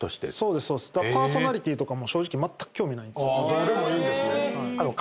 どうでもいいんですね。